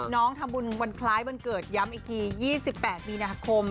น้องทำบุญวันคล้ายวันเกิดย้ำอีกที๒๘มีนาคม